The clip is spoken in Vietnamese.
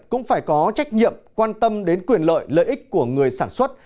cũng phải có trách nhiệm quan tâm đến quyền lợi lợi ích của người sản xuất